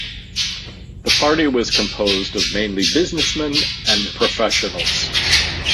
The party was composed of mainly businessmen and professionals.